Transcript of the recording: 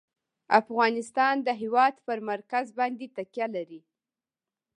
افغانستان د هېواد پر مرکز باندې تکیه لري.